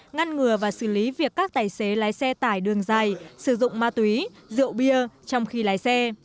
ngăn ngừa và xử lý việc các tài xế lái xe tải đường dài sử dụng ma túy rượu bia trong khi lái xe